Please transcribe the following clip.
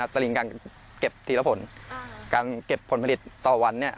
ตลิงการเก็บทีละผลการเก็บผลผลิตต่อวันเนี่ย